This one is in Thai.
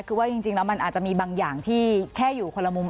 คือว่าจริงแล้วมันอาจจะมีบางอย่างที่แค่อยู่คนละมุม